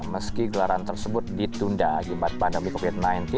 meski gelaran tersebut ditunda akibat pandemi covid sembilan belas